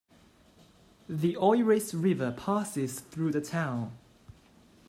The Oirase River passes through the town.